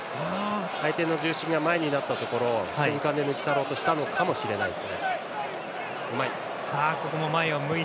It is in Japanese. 相手の重心が前になったところを瞬間で抜き去ろうとしたのかもしれないです。